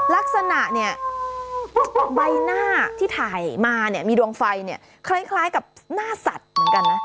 ลักษณะใบหน้าที่ถ่ายมามีดวงไฟคล้ายกับหน้าสัตว์เหมือนกันนะ